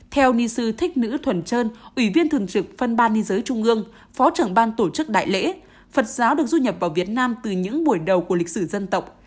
theo ni sư thích nữ thuần trơn ủy viên thường trực phân ban ni giới trung ương phó trưởng ban tổ chức đại lễ phật giáo được du nhập vào việt nam từ những buổi đầu của lịch sử dân tộc